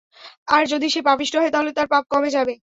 আর যদি সে পাপিষ্ঠ হয় তাহলে তার পাপ কমে যাবে।